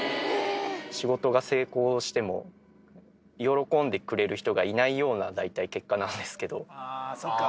仕事が成功しても、喜んでくれる人がいないような、大体結果なんですけど。